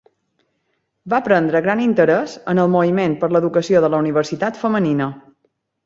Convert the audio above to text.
Va prendre gran interès en el moviment per l'educació de la Universitat femenina.